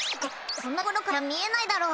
そんなところからじゃ見えないだろ。